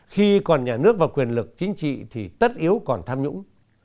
khi còn nhà nước và quyền lực chính trị thì tất yếu còn tham nhũng